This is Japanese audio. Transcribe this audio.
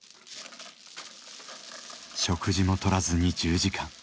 食事もとらずに１０時間。